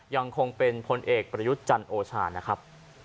ยังคงเป็นพลเอกประยุทธ์จันทร์โอชานะครับ